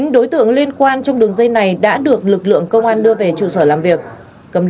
chín đối tượng liên quan trong đường dây này đã được lực lượng công an đưa về trụ sở làm việc